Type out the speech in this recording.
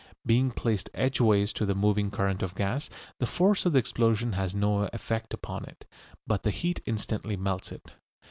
Being placed edgeways to the moving current of gas, the force of the explosion has no effect upon it, but the heat instantly melts it.